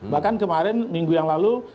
bahkan kemarin minggu yang lalu